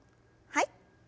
はい。